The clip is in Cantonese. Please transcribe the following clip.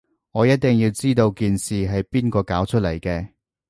我一定要知道件事係邊個搞出嚟嘅